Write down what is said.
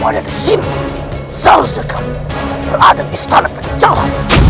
zim zauzaka berada di sana berjalan